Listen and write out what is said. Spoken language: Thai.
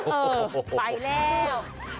เออไปแล้ว